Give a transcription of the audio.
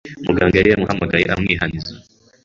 Muganga yari yamuhamagaye amwihaniza